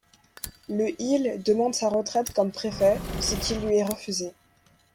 Le il demande sa retraite comme préfet, ce qui lui est refusé.